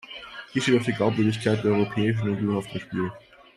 Hier steht auch die Glaubwürdigkeit der Europäischen Union auf dem Spiel.